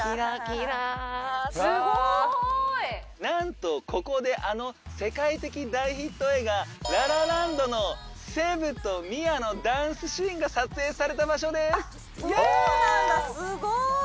なんとここであの世界的大ヒット映画「ラ・ラ・ランド」のセブとミアのダンスシーンが撮影された場所ですあっそうなんだすごい！